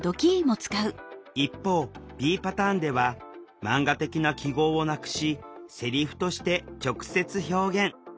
一方Ｂパターンではマンガ的な記号をなくしセリフとして直接表現。